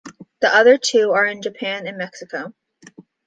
The other two are in Japan and Mexico.